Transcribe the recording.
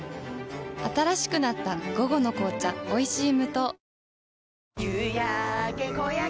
新しくなった「午後の紅茶おいしい無糖」